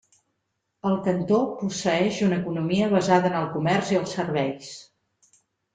El cantó posseeix una economia basada en el comerç i els serveis.